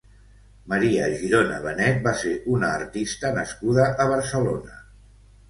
Maria Girona Benet va ser una artista nascuda a Barcelona.